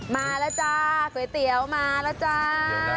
มาแล้วจ้าก๋วยเตี๋ยวมาแล้วจ้า